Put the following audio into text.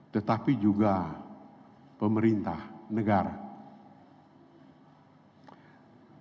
tetapi juga pemerintah negara